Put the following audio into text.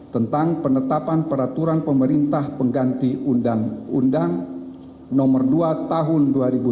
tentang penetapan peraturan pemerintah pengganti undang undang no dua tahun dua ribu tujuh belas